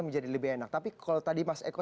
menjadi lebih enak tapi kalau tadi mas eko